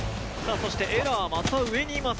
そしてえらーまた上にいます。